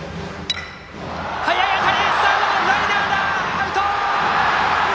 アウト！